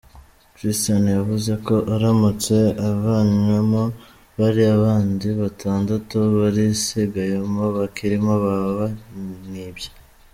Christian yavuze ko aramutse avanywemo, bariya bandi batandatu barisigayemo bakirimo baba bamwibye.